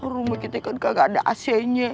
rumah kita kan gak ada ac nya